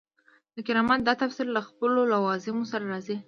د کرامت دا تفسیر له خپلو لوازمو سره راځي.